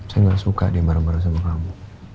saya gak suka deh marah marah sama kamu